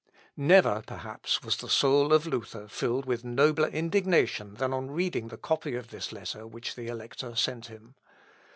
Ibid. p. 203. Never, perhaps, was the soul of Luther filled with nobler indignation than on reading the copy of this letter which the Elector sent him.